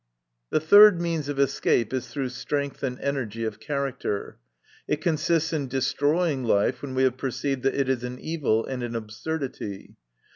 The third means of escape is through strength and energy of character. It consists in destroying life when we have perceived that it is an evil and an absurdity.